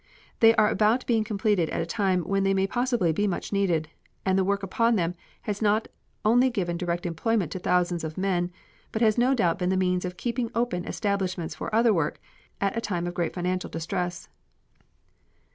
They are about being completed at a time when they may possibly be much needed, and the work upon them has not only given direct employment to thousands of men, but has no doubt been the means of keeping open establishments for other work at a time of great financial distress.